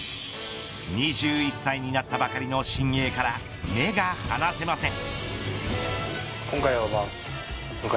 ２１歳になったばかりの新鋭から目が離せません。